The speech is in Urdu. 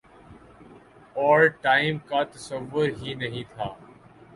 اوورٹائم کا تصور ہی نہیں تھا ۔